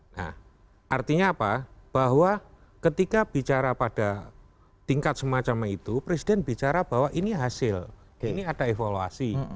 nah artinya apa bahwa ketika bicara pada tingkat semacam itu presiden bicara bahwa ini hasil ini ada evaluasi